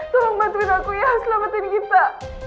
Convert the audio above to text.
tolong bantuin aku ya selamatin kita